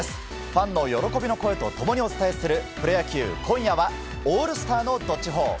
ファンの喜びの声と共にお伝えするプロ野球、今夜はオールスターのどっちほー。